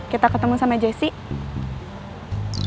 kita ketemu sama jessy